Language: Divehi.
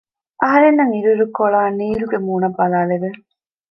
އަހަރެންނަށް އިރު އިރުކޮޅާ ނީލްގެ މޫނަށް ބަލާލެވެ